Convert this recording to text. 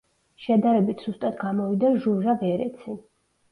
შედარებით სუსტად გამოვიდა ჟუჟა ვერეცი.